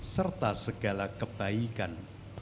serta segala kebaikan